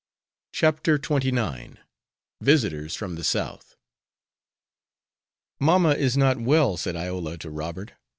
CHAPTER XXIX. VISITORS FROM THE SOUTH. "Mamma is not well," said Iola to Robert.